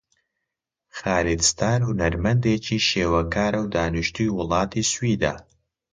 خالید ستار هونەرمەندێکی شێوەکارە و دانیشتووی وڵاتی سویدە.